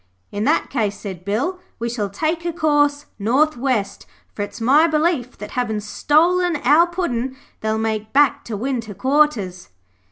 'In that case,' said Bill, 'we shall take a course north west, for it's my belief that havin' stolen our Puddin' they'll make back to winter quarters.'